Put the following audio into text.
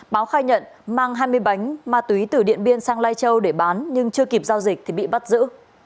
báo khai nhận mang hai mươi bánh ma túy từ điện biên sang lai châu để bán nhưng chưa kịp giao dịch thì bị bắt giữ